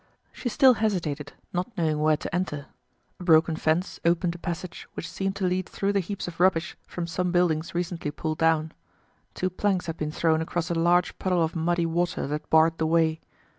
She still hesitated, not knowing where to enter. A broken fence opened a passage which seemed to lead through the heaps of rubbish from some buildings recently pulled down. Two planks had been thrown across a large puddle of muddy water that barred the way.